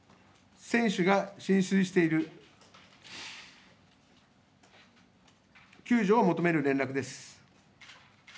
船首が浸水している、救助を求める連絡です。